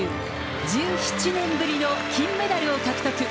１７年ぶりの金メダルを獲得。